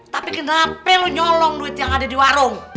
tapi kenapa lo nyolong duit yang ada di warung